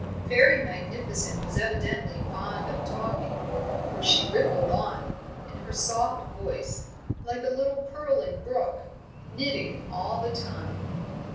Fairy Magnificent was evidently fond of talking, for she rippled on, in her soft voice, like a little purling brook, knitting all the time.